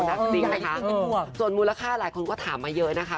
อ๋อหนักจริงค่ะส่วนมูลค่าหลายคนก็ถามมาเยอะนะคะ